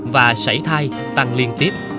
và sảy thai tăng liên tiếp